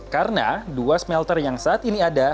karena dua smelter yang saat ini ada